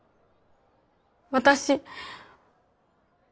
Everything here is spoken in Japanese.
私。